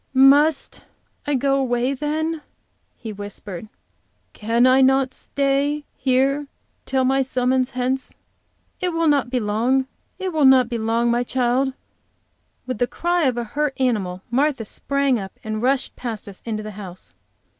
"Must I go away then?" he whispered. "Cannot I stay here till my summons hence? It will not be long, it will not be long, my child." With the cry of a hurt animal, Martha sprang up and rushed past us into the house.